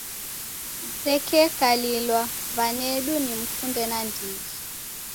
Msekekalilw'a w'anedu nimkunde nandighi.